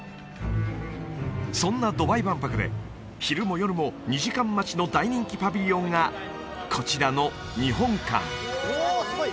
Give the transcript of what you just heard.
そんなドバイ万博で昼も夜も２時間待ちの大人気パビリオンがこちらの日本館